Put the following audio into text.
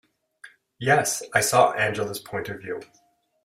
Yes, I saw Angela's point of view.